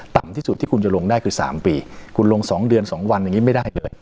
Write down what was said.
ต่ำที่สุดที่คุณจะลงได้คือ๓ปีคุณลง๒เดือน๒วันอย่างนี้ไม่ได้เลย